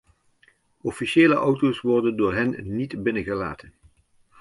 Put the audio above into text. Officiële auto's worden door hen niet binnengelaten.